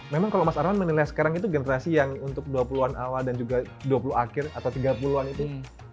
memang kalau mas arman menilai sekarang itu generasi yang untuk dua puluh an awal dan juga dua puluh akhir atau tiga puluh an itu